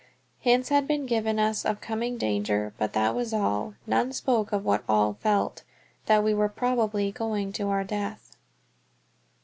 Hints had been given us of coming danger, but that was all; none spoke of what all felt, that we were probably going to our death.